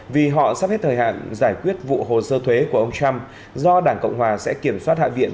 vì họ sắp hết thời hạn giải quyết vụ hồ sơ thuế của ông trump do đảng cộng hòa sẽ kiểm soát hạ viện